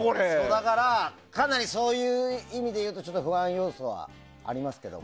だから、かなりそういう意味で言うと不安要素はありますけど。